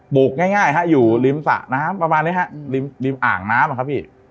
ปลูกง่ายอยู่ริมสระนะครับประมาณนี้ครับริมอ่างน้ำนะครับพี่